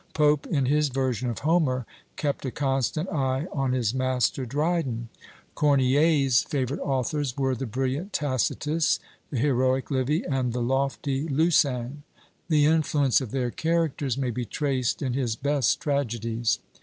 Pope, in his version of Homer, kept a constant eye on his master Dryden; Corneille's favourite authors were the brilliant Tacitus, the heroic Livy, and the lofty Lucan: the influence of their characters may be traced in his best tragedies.